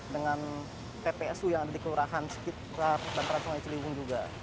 dengan ppsu yang ada di kelurahan sekitar bantaran sungai ciliwung juga